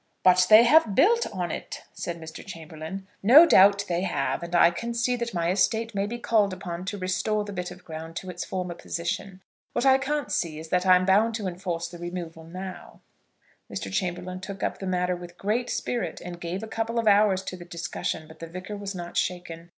"But they have built on it," said Mr. Chamberlaine. "No doubt, they have; and I can see that my estate may be called upon to restore the bit of ground to its former position. What I can't see is, that I am bound to enforce the removal now." Mr. Chamberlaine took up the matter with great spirit, and gave a couple of hours to the discussion, but the Vicar was not shaken.